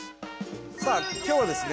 「さあ今日はですね